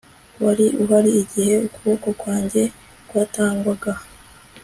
wari uhari igihe ukuboko kwanjye kwatangwaga